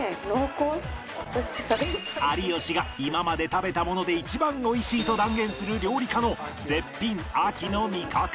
有吉が今まで食べたもので一番美味しいと断言する料理家の絶品秋の味覚編